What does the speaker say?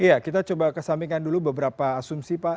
iya kita coba kesampingkan dulu beberapa asumsi pak